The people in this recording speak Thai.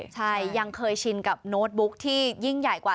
ใช่ยังเคยชินกับโน้ตบุ๊กที่ยิ่งใหญ่กว่า